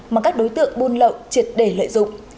mà các đối tượng buôn lậu triệt để lợi dụng